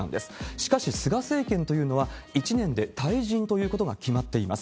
しかし菅政権というのは、１年で退陣ということが決まっています。